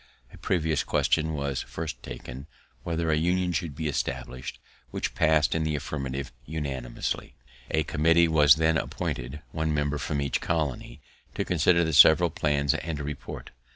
A previous question was first taken, whether a union should be established, which pass'd in the affirmative unanimously. A committee was then appointed, one member from each colony, to consider the several plans and report.